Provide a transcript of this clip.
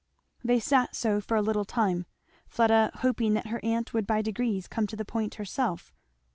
They sat so for a little time; Fleda hoping that her aunt would by degrees come to the point herself.